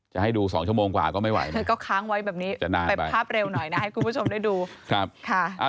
จะให้ดู๒ชั่วโมงกว่าก็ไม่ไหวนะ